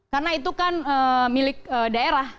karena itu kan milik daerah